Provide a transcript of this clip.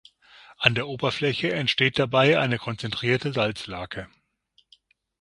An der Oberfläche entsteht dabei eine konzentrierte Salzlake.